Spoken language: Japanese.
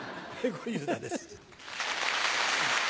小遊三です。